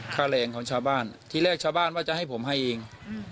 ค่าแรงของชาวบ้านที่แรกชาวบ้านว่าจะให้ผมให้เอง